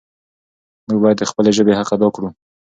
موږ باید د خپلې ژبې حق ادا کړو.